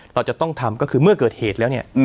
เราจะต้องทำก็คือเมื่อเกิดเหตุแล้วเนี่ย